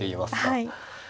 はい。